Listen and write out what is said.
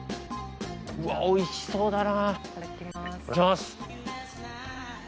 うわっおいしそうだな。